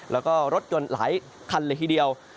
แล้วก็รถยนต์หลายคันเลยทีเดียว